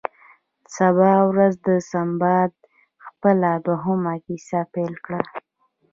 سبا ورځ سنباد خپله دوهمه کیسه پیل کړه.